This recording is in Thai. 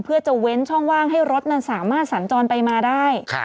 เพื่อจะเว้นช่องว่างให้รถนั้นสามารถสัญจรไปมาได้